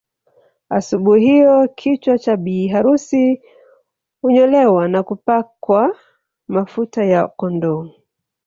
Asubuhi hiyo kichwa cha bi harusi unyolewa na hupakwa mafuta ya kondoo